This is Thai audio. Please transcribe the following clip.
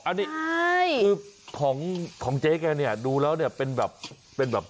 อันนี้คือของเจ๊แกเนี่ยดูแล้วเนี่ยเป็นแบบ